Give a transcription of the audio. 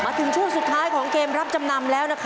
ถึงช่วงสุดท้ายของเกมรับจำนำแล้ว